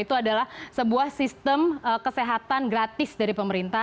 itu adalah sebuah sistem kesehatan gratis dari pemerintah